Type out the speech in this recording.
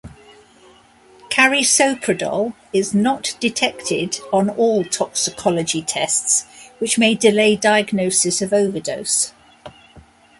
Carisoprodol is not detected on all toxicology tests which may delay diagnosis of overdose.